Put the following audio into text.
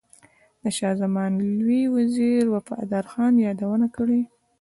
د شاه زمان لوی وزیر وفادار خان یادونه کړې.